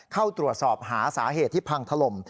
เข้าตรวจสอบหาสาเหตุที่พังถล่ม